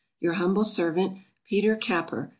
Your humble servant, PETER CAPPER.